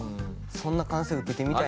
そんな歓声受けてみたいな。